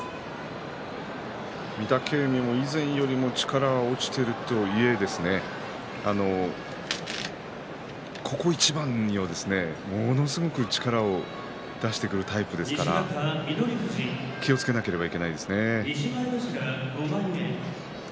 御嶽海も以前よりは力は落ちているとはいえここ一番には、ものすごく力を出してくるタイプですから気をつけなければいけないですね。